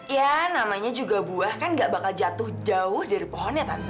ya namanya juga buah kan gak bakal jatuh jauh dari pohonnya tante